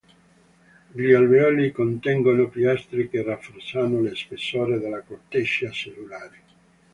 Gli alveoli contengono piastre che rafforzano lo spessore della corteccia cellulare.